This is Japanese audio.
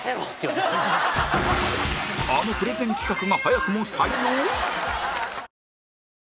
あのプレゼン企画が早くも採用？